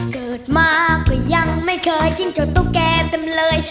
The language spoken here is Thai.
เกิดมาก็ยังไม่เคยจิ้งจดตุ๊กแกเต็มเลย